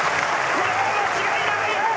これは間違いない。